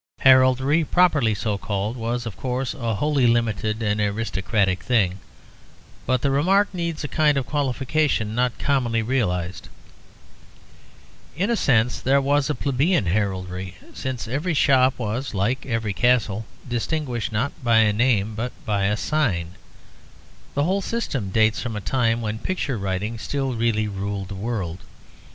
Heraldry properly so called was, of course, a wholly limited and aristocratic thing, but the remark needs a kind of qualification not commonly realized. In a sense there was a plebeian heraldry, since every shop was, like every castle, distinguished not by a name, but a sign. The whole system dates from a time when picture writing still really ruled the world.